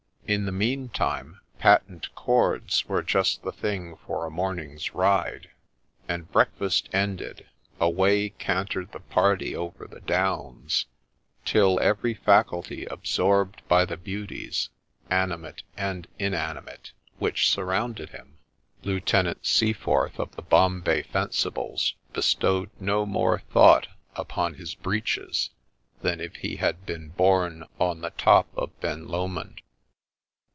In the meantime, ' patent cords ' were just the thing for a morning's ride ; and, breakfast ended, away cantered the party over the downs, till, every faculty absorbed by the beauties, animate and inanimate, which surrounded him, Lieutenant Seaforth of the Bombay Fencibles bestowed no more thought OF TAPPINGTON 7 upon his breeches than if he had been born on the top of Ben Lomond.